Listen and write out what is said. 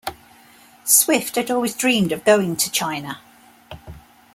Swift had always dreamed of going to China.